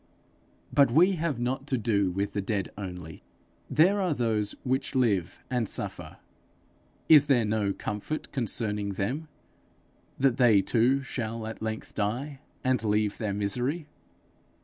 Be we have not to do with the dead only; there are those which live and suffer: is there no comfort concerning them, but that they too shall at length die and leave their misery?